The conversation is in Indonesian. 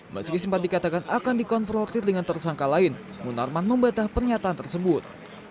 meski sempat dikatakan akan dikonfrontir dengan tersangka lain munarman membatah pernyataan tersebut